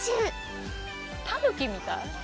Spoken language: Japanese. タヌキみたい。